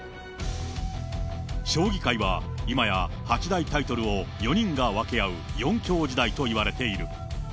将棋界は今や八大タイトルを４人が分け合う４強時代といわれている。